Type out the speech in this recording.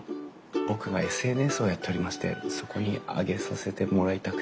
僕がＳＮＳをやっておりましてそこに上げさせてもらいたくて。